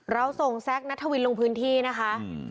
เราส่งแซคนัทวินลงพื้นที่นะคะ